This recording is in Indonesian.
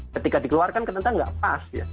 ketika dikeluarkan kena kena nggak pas ya